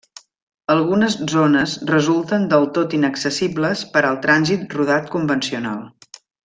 Algunes zones resulten del tot inaccessibles per al trànsit rodat convencional.